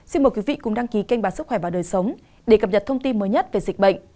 xin mời quý vị cùng đăng ký kênh bán sức khỏe và đời sống để cập nhật thông tin mới nhất về dịch bệnh